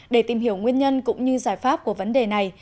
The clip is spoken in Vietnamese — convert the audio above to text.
để tìm hiểu nguyên nhân cũng như giải pháp của vấn đề này